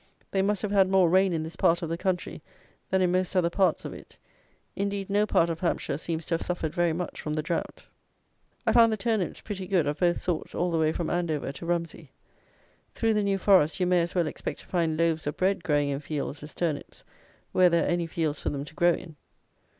They must have had more rain in this part of the country than in most other parts of it. Indeed, no part of Hampshire seems to have suffered very much from the drought. I found the turnips pretty good, of both sorts, all the way from Andover to Rumsey. Through the New Forest, you may as well expect to find loaves of bread growing in fields as turnips, where there are any fields for them to grow in.